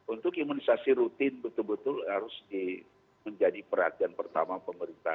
untuk imunisasi rutin betul betul harus menjadi perhatian pertama pemerintah